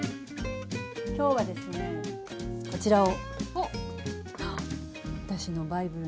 今日はですね、こちらを。